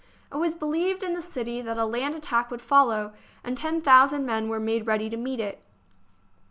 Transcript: It was believed in the city that a land attack would follow, and ten thousand men were made ready to meet it.